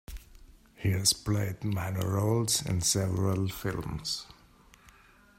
He has played minor roles in several films.